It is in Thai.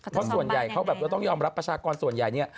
เพราะส่วนใหญ่เขาต้องยอมรับประชากรส่วนใหญ่